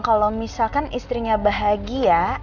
kalau misalkan istrinya bahagia